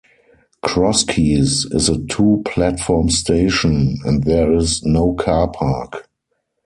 Crosskeys is a two-platform station and there is no car park.